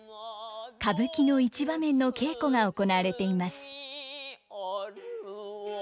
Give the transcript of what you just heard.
歌舞伎の一場面の稽古が行われています。